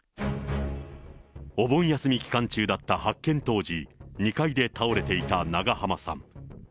お盆休み期間中だった発見当時、２階で倒れていた長濱さん。